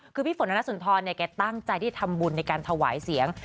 คือพี่ฝนธนสุนทรเนี่ยแกตั้งใจที่ทำบุญในการถวายเสียง